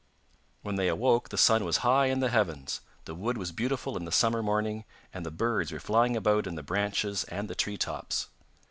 When they awoke the sun was high in the heavens, the wood was beautiful in the summer morning, and the birds were flying about in the branches and the tree tops.